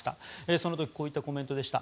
その時こういったコメントでした。